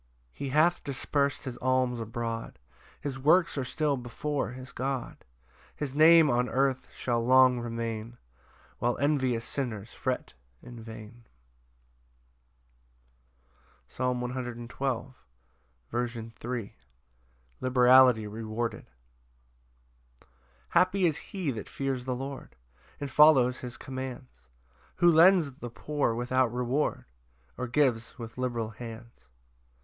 5 He hath dispers'd his alms abroad, His works are still before his God; His name on earth shall long remain, While envious sinners fret in vain. Psalm 112:3. C. M, Liberality rewarded. 1 Happy is he that fears the Lord, And follows his commands, Who lends the poor without reward, Or gives with liberal hands.